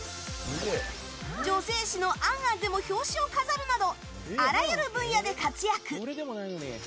女性誌の「ａｎａｎ」でも表紙を飾るなどあらゆる分野で活躍！